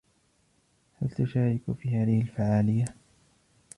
هل تشارك في هذه الفعالية ؟